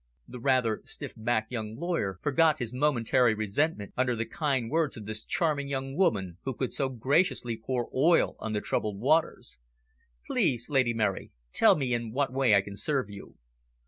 The rather stiff backed young lawyer forgot his momentary resentment under the kind words of this charming young woman who could so graciously pour oil on the troubled waters. "Please, Lady Mary, tell me in what way I can serve you."